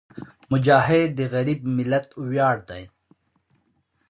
مجاهد د غریب ملت ویاړ وي.